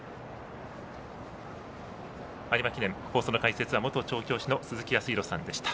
有馬記念、放送の解説は元調教師の鈴木康弘さんでした。